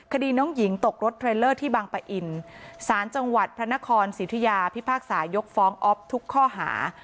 คดีน้องหญิงตกรถเทรลเลอร์ที่บางปะอินสารจังหวัดพระนครสิทธิยาพิพากษายกฟ้องอ๊อฟทุกข้อหา